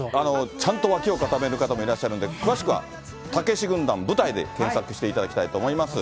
ちゃんと脇を固める方もいらっしゃるんで、詳しくはたけし軍団、舞台で検索していただきたいと思います。